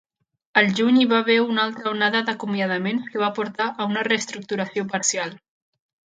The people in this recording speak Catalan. Al juny, hi va haver una altra onada d'acomiadaments que va portar a una reestructuració parcial.